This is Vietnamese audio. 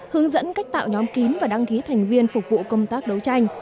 hướng dẫn cách tạo nhóm kín và đăng ký thành viên phục vụ công tác đấu tranh